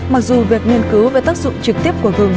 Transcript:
mặc dù việc nghiên cứu về tác dụng trực tiếp của gừng